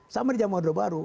sama di jaman muda baru